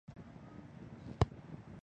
出生于江苏南京。